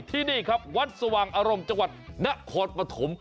ที่นี่ครับวัดสว่างอารมณ์จังหวัดนครปฐม